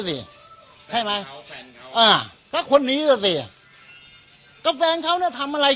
ใช่ไหมแฟนเขาอ่าแล้วคนนี้สิอ่ะก็แฟนเขาเนี้ยทำอะไรเขา